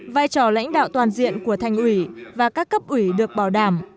vai trò lãnh đạo toàn diện của thành ủy và các cấp ủy được bảo đảm